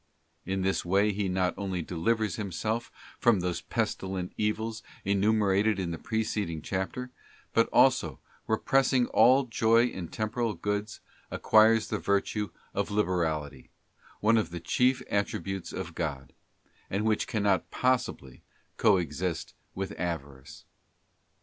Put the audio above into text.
In this way he not only delivers himself from those pestilent evils enumerated in the preceding chapter, but also, repressing all joy in temporal goods, acquires the virtue of liberality, one of the chief attributes of God; and which cannot possibly coexist with avarice.